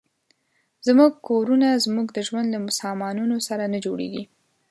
زموږ کورونه زموږ د ژوند له سامانونو سره نه جوړېږي.